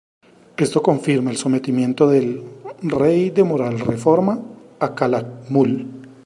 Esto confirma el sometimiento del "rey de Moral-Reforma", a Calakmul.